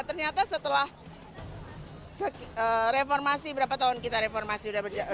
ternyata setelah reformasi berapa tahun kita reformasi